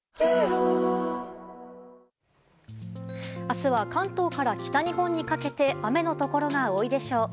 明日は関東から北日本にかけて雨のところが多いでしょう。